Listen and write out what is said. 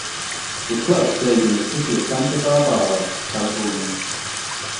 The club played in the city of Santa Barbara, California.